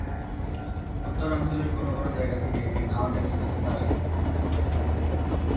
উত্তরাঞ্চলের কোন কোন জায়গা থেকে একে নাও দেখা যেতে পারে।